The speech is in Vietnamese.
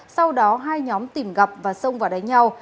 sau đó hai nhóm tìm gặp và xông vào đánh nhau